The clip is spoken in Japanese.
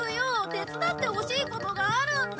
手伝ってほしいことがあるんだ！